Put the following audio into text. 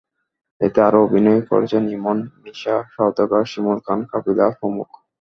এতে আরও অভিনয় করেছেন ইমন, মিশা সওদাগর, শিমুল খান, কাবিলা প্রমুখ।